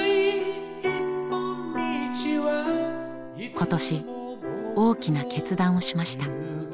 今年大きな決断をしました。